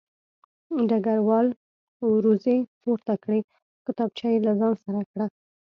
ډګروال وروځې پورته کړې او کتابچه یې له ځان سره کړه